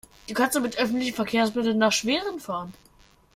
Du kannst doch mit öffentlichen Verkehrsmitteln nach Schwerin fahren